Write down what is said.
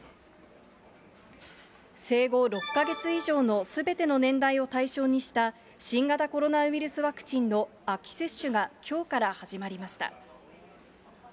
生後６か月以上のすべての年代を対象にした新型コロナウイルスワクチンの秋接種がきょうから始まりました。